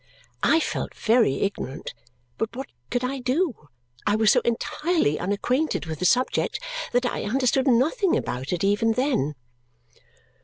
I felt very ignorant, but what could I do? I was so entirely unacquainted with the subject that I understood nothing about it even then.